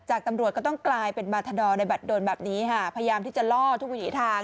ตำรวจก็ต้องกลายเป็นมาทดอร์ในบัตรโดนแบบนี้ค่ะพยายามที่จะล่อทุกวิถีทาง